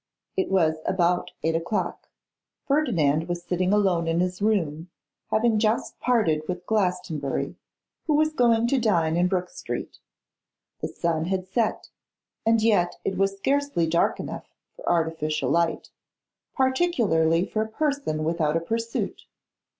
It was about eight o'clock: Ferdinand was sitting alone in his room, having just parted with Glastonbury, who was going to dine in Brook street. The sun had set, and yet it was scarcely dark enough for artificial light, particularly for a person without a pursuit.